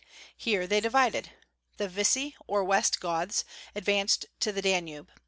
Here they divided. The Visi or West Goths advanced to the Danube."